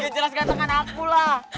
jelas gantengan akulah